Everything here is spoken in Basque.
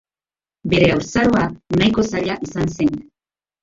Bere haurtzaroa nahiko zaila izan zen.